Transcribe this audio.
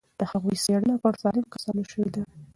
د هغوی څېړنه پر سالمو کسانو شوې وه.